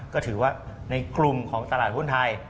ก็ถือว่าในกลุ่มของตลาดหุ้นไทย